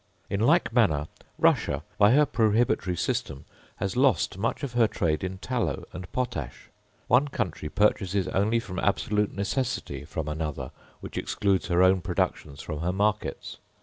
In like manner Russia, by her prohibitory system, has lost much of her trade in tallow and potash. One country purchases only from absolute necessity from another, which excludes her own productions from her markets.